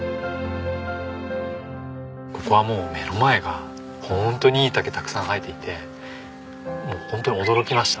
ここはもう目の前がホントにいい竹たくさん生えていてホントに驚きました。